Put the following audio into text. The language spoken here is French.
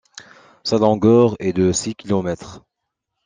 Sa longueur est de six kilomètres.